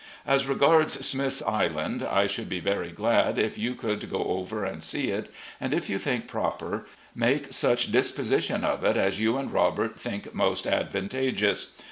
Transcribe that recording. As regards Smith's Island, I should be very glad if you could go over and see it, and, if you think proper, make such disposition of it as you and Robert think most advantageous.